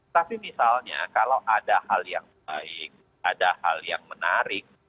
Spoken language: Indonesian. tapi misalnya kalau ada hal yang baik ada hal yang menarik